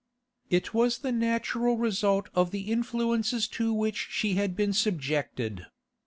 It was the natural result of the influences to which she had been subjected.